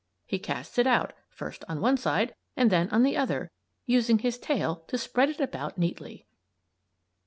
He casts it out, first on one side and then on the other; using his tail to spread it about neatly.